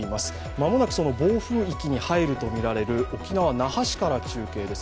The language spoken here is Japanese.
間もなくその暴風域に入るとみられる沖縄・那覇市から中継です。